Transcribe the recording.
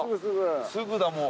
すぐだもう。